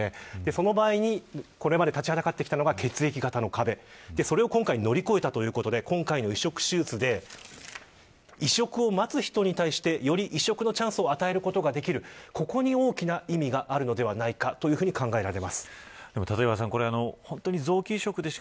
その場合にこれまで立ちはだかってきたのが血液型の壁、それを今回乗り越えたということで今回の移植手術で移植を待つ人に対してより移植のチャンスを与えることができるここに大きな意味があるのではないかと考えられます。